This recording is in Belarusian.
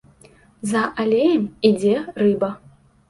За алеем ідзе рыба.